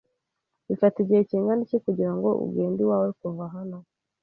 Bifata igihe kingana iki kugira ngo ugende iwawe kuva hano?